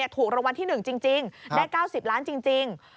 ถูกรางวัลที่๑จริงได้๙๐ล้านจริง